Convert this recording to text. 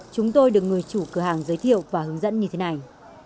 chúng tôi được người chủ cửa hàng giới thiệu và hướng dẫn như thế này